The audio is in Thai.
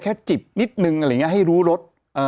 จิบนิดนึงอะไรอย่างนี้ให้รู้รถ